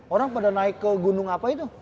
orang pada naik ke gunung apa itu